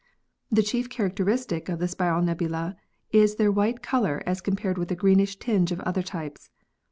The chief characteristic of the spiral nebulae is their white color as compared with the greenish tinge of other types.